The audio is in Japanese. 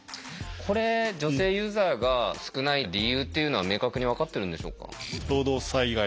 これ女性ユーザーが少ない理由っていうのは明確に分かってるんでしょうか？